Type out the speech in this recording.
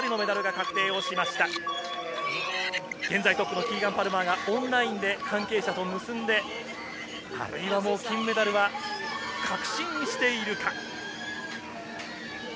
現在トップのキーガン・パルマーがオンラインで関係者と結んで、金メダルを確信しているか。